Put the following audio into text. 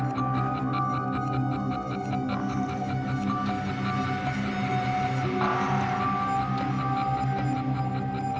พร้อมมาทำอะไรนี่